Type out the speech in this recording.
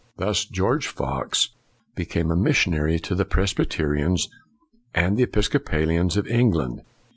Thus George Fox became a missionary to the Presbyterians and the Episcopalians of England.